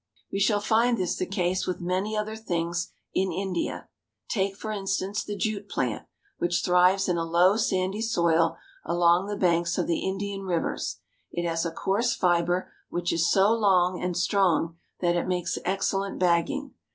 We shall find this the case with many other things in India. Take, for instance, the jute plant, which thrives in a low, sandy soil along the banks of the Indian rivers. It has a coarse fiber which is so long and strong that it makes excellent' bagging.